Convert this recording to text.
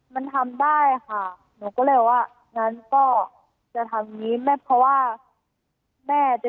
มันทำได้ค่ะหนูก็เลยบอกว่างั้นก็จะทำอย่างนี้แม่เพราะว่าแม่จะ